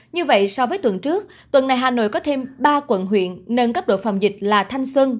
như vậy so với tuần trước tuần này hà nội có thêm ba quận huyện nâng cấp độ phòng dịch là thanh xuân